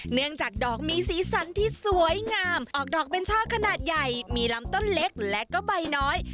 เนื่องจากดอกมีสีสันที่สวยงามออกดอกเป็นช่อขนาดใหญ่มีลำต้นเล็กและก็ใบน้อย